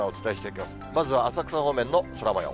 まず、浅草方面の空もよう。